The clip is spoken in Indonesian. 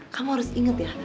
kamu harus inget ya